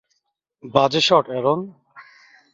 বাজে shot, Aaron.